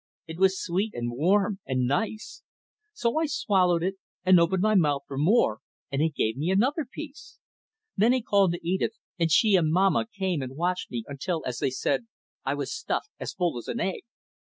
It was sweet, and warm, and nice. So I swallowed it and opened my mouth for more, and he gave me another piece. Then he called to Edith, and she and Mamma came and watched me until, as they said, I was "stuffed as full as an egg."